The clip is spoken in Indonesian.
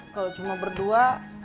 kalo cuma berdua